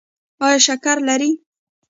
ایا شکر لرئ؟